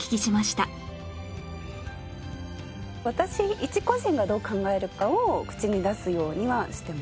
私一個人がどう考えるかを口に出すようにはしてますね。